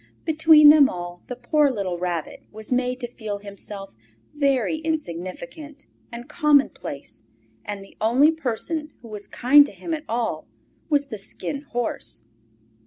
Between them all the poor little Rabbit was made to feel himself very insignificant and commonplace, and the only person who was kind to him at all was the Skin Horse.